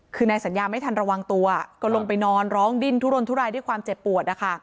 คือนายสัญญาไม่ทันระวังตัวก็ลงไปนอนร้องดิ้นทุรนทุรายด้วยความเจ็บปวด